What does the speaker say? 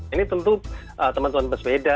ini tentu teman teman pesepeda